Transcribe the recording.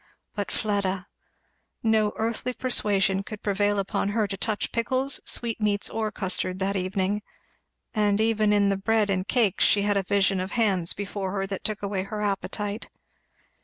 But Fleda! No earthly persuasion could prevail upon her to touch pickles, sweetmeats, or custard, that evening; and even in the bread and cakes she had a vision of hands before her that took away her appetite.